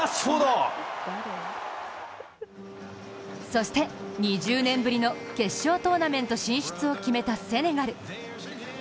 そして２０年ぶりの決勝トーナメント進出を決めたセネガル。